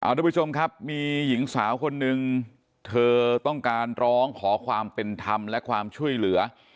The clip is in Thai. ทุกผู้ชมครับมีหญิงสาวคนนึงเธอต้องการร้องขอความเป็นธรรมและความช่วยเหลือ